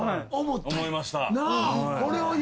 思いました。